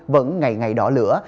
vẫn ngày ngày đỏ lửa